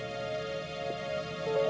aku sudah selesai